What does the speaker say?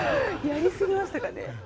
やりすぎましたかね？